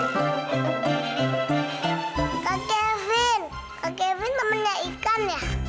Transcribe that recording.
kak kevin kak kevin temennya ikan ya